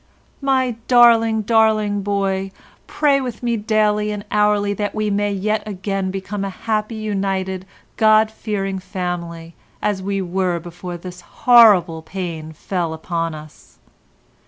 "My darling, darling boy, pray with me daily and hourly that we may yet again become a happy, united, God fearing family as we were before this horrible pain fell upon us.